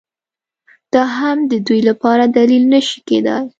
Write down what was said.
دا هم د دوی لپاره دلیل نه شي کېدای